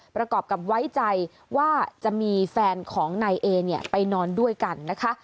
ประกอบกับไว้ใจว่าจะมีแฟนของนายเอเนี่ยไปนอนด้วยกันนะคะ